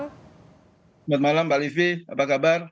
selamat malam mbak livi apa kabar